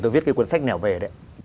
tôi viết cái cuốn sách nẻo về đấy